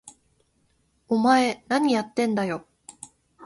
お前、なにやってんだよ！？